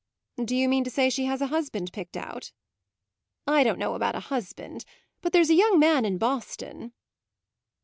"Do you mean to say she has a husband picked out?" "I don't know about a husband, but there's a young man in Boston